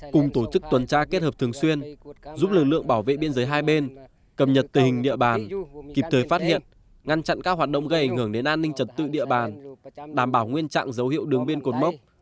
cùng tổ chức tuần tra kết hợp thường xuyên giúp lực lượng bảo vệ biên giới hai bên cập nhật tình hình địa bàn kịp thời phát hiện ngăn chặn các hoạt động gây ảnh hưởng đến an ninh trật tự địa bàn đảm bảo nguyên trạng dấu hiệu đường biên cột mốc